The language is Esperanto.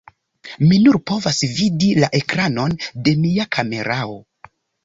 Mi nur povas vidi la ekranon de mia kamerao